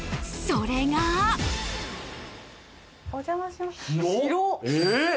それがお邪魔します広っ！